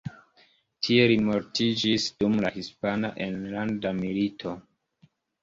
Tie li mortiĝis dum la Hispana Enlanda Milito.